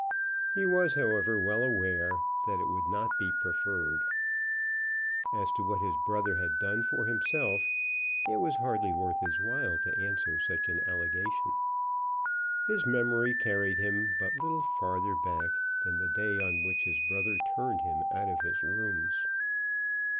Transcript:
He was, however, well aware that it would not be preferred. As to what his brother had done for himself, it was hardly worth his while to answer such an allegation. His memory carried him but little farther back than the day on which his brother turned him out of his rooms.